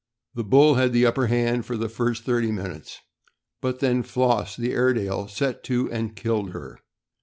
The Bull had the upper hand for the first thirty minutes, but then Floss, the Airedale, set to and killed her.